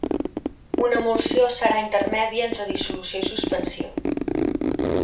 Una emulsió serà intermèdia entre dissolució i suspensió.